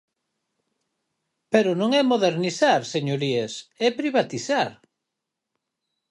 Pero non é modernizar, señorías, é privatizar.